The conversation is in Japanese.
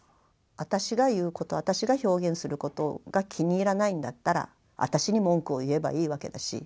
私が言うこと私が表現することが気に入らないんだったら私に文句を言えばいいわけだし。